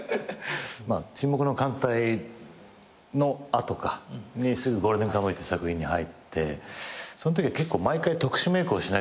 『沈黙の艦隊』の後にすぐ『ゴールデンカムイ』っていう作品に入ってそのときは結構毎回特殊メークをしなければいけない